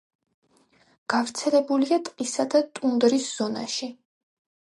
გავრცელებულია ტყისა და ტუნდრის ზონაში.